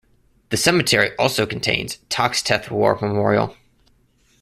The cemetery also contains Toxteth War Memorial.